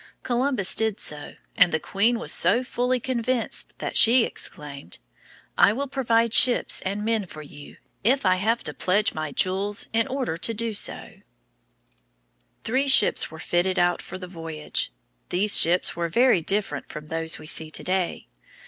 Columbus did so, and the queen was so fully convinced that she exclaimed: "I will provide ships and men for you, if I have to pledge my jewels in order to do so!" [Illustration: Columbus before Ferdinand and Isabella.] Three ships were fitted out for the voyage. These ships were very different from those we see to day.